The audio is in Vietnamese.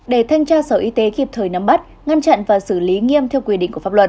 để thanh tra sở y tế kịp thời nắm bắt ngăn chặn và xử lý nghiêm theo quy định của pháp luật